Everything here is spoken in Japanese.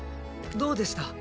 どうでした？